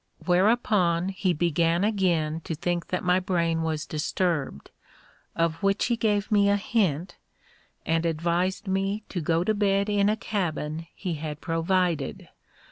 Whereupon he began again to think that my brain was disturbed, of which he gave me a hint, and advised me to go to bed in a cabin he had provided.